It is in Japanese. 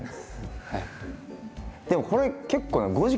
でもこれ結構ねええっ？